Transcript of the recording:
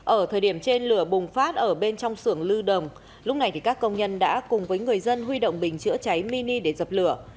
ở thời điểm trên lửa bùng phát ở bên trong sưởng lưu đồng lúc này các công nhân đã cùng với người dân huy động bình chữa cháy mini để dập lửa